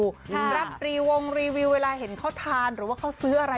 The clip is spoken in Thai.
รับรีวงรีวิวเวลาเห็นเขาทานหรือว่าเขาซื้ออะไร